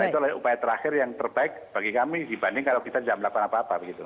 karena itu upaya terakhir yang terbaik bagi kami dibanding kalau kita jam delapan apa apa